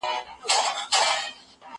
هغه څوک چي مړۍ خوري روغ وي؟